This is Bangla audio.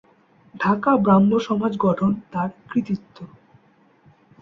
ঢাকা ব্রাহ্মসমাজ গঠন তার কৃতিত্ব।